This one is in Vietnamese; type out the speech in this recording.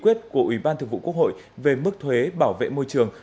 quyết của ủy ban thường vụ quốc hội về mức thuế bảo vệ môi trường